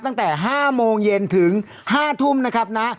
ตั้งแต่๕โมงเย็นถึง๕ทุ่มนะครับนะ